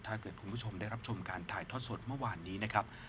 ถ้าเกิดคุณผู้ชมได้รับชมการถ่ายทอดสดเมื่อวานนี้นะครับ